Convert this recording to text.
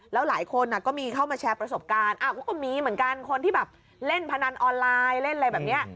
แล้วหลายคนก็มีเข้ามาแชร์ประสบการณ์ก็มีเหมือนกันคนที่แบบเล่นพนันออนไลน์เล่นอะไรแบบนี้